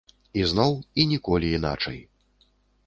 Ізноў і ніколі іначай.